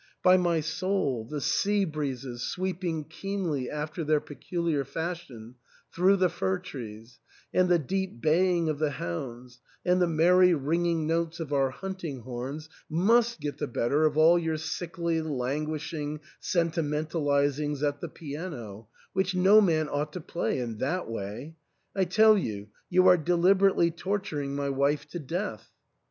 By my soul, the sea breezes, sweep ing keenly after their peculiar fashion through the fir trees, and the deep baying of the hounds, and the merry ringing notes of our hunting horns must get the better of all your sickly languishing sentimentalisings at the piano, which no man ought play in thai way, I tell you, you are deliberately torturing my wife to death."